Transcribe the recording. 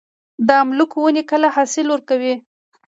د املوک ونې کله حاصل ورکوي؟